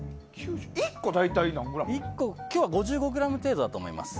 １個、今日は５５ｇ程度だと思います。